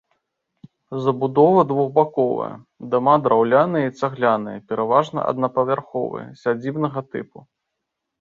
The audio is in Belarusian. Забудова двухбаковая, дома драўляныя і цагляныя, пераважна аднапавярховыя, сядзібнага тыпу.